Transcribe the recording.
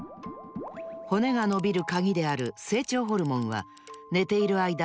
骨がのびるカギである成長ホルモンは寝ているあいだ